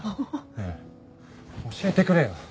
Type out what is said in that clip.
ねえ教えてくれよ。